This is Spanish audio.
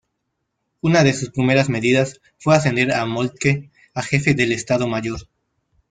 Una de sus primeras medidas fue ascender a Moltke a jefe del Estado Mayor.